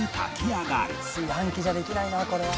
「炊飯器じゃできないなこれは」